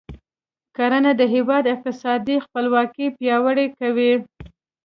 کرنه د هیواد اقتصادي خپلواکي پیاوړې کوي.